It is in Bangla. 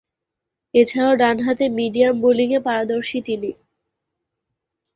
এছাড়াও, ডানহাতে মিডিয়াম বোলিংয়ে পারদর্শী তিনি।